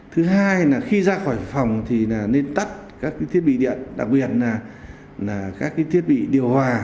thứ hai là khi ra khỏi phòng thì nên tắt các thiết bị điện đặc biệt là các thiết bị điều hòa